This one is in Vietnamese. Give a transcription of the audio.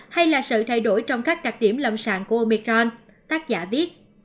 hay là sự thay đổi trong các đặc điểm lâm sàng của omecron tác giả viết